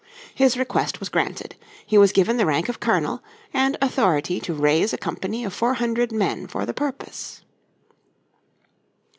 His request was granted. He was given the rank of colonel, and authority to raise a company of four hundred men for the purpose.